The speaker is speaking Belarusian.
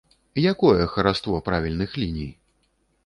Якое хараство правільных ліній?